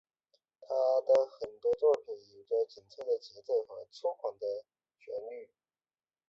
他的很多作品有着紧凑的节奏和粗犷的旋律。